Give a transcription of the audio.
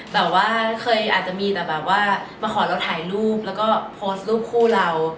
แต่ว่าเคยอาจจะมีแต่แบบว่ามาขอเราถ่ายรูปแล้วก็โพสต์รูปคู่เรา